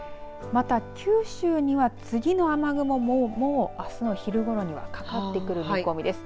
また、九州には次の雨雲もう、あすの昼ごろにはかかってくる見込みです。